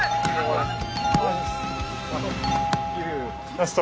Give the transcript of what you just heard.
ラスト。